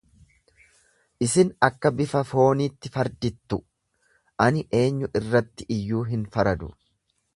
Isin akka bifa fooniitti fardittu, ani eenyu irratti iyyuu hin faradu.